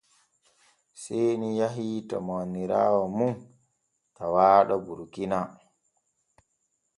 Seeni yahii to mawniraawo mum tawaaɗo Burkina.